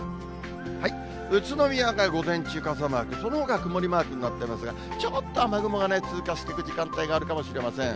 宇都宮が午前中傘マーク、そのほかは曇りマークになっていますが、ちょっと雨雲が通過していく時間帯があるかもしれません。